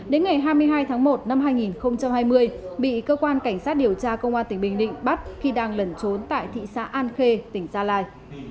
đến ngày hai mươi hai tháng một năm hai nghìn hai mươi bị cơ quan cảnh sát điều tra công an tỉnh bình định bắt khi đang lẩn trốn tại thị xã an khê tỉnh gia lai